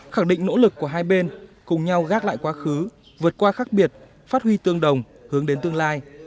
khẳng định nỗ lực của hai bên cùng nhau gác lại quá khứ vượt qua khác biệt phát huy tương đồng hướng đến tương lai